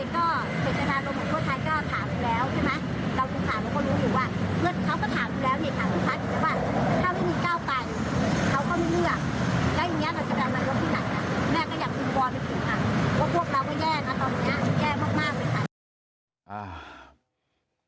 แค่เพื่อไทยก็